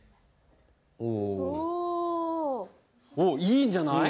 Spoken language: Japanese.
おおおおおっいいんじゃない？